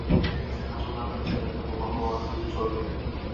Xolodilnik seni qachonlardir jannatda Momo Xavvoni oʻziga chorlagan